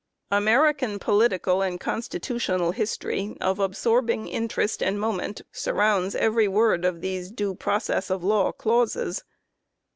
American political and constitutional history of absorbing interest and moment surrounds every word of these due process of law clauses.